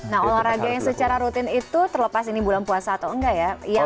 nah olahraga yang secara rutin itu terlepas ini bulan puasa atau enggak ya